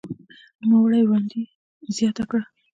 نوموړي وړاندې زياته کړې